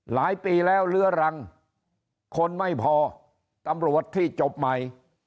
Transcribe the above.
หลายปีแล้วเรื้อรังคนไม่พอตำรวจที่จบใหม่